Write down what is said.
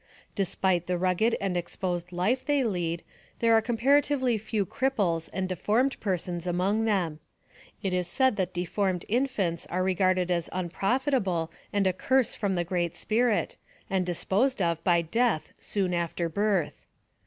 Despite the rugged and exposed life they lead, there are comparatively few cripples and deformed persons among them. It is said that deformed infants are regarded as unprofitable and a curse from the Great Spirit, and disposed of by death soon after birth.